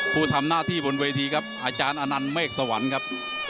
ผู้ทำหน้าที่บนเวทีครับอาจารย์อนันต์เมฆสวรรค์ครับ